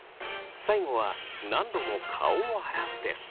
最後は何度も顔を洗うです。